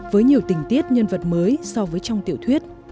với nhiều tình tiết nhân vật mới so với trong tiểu thuyết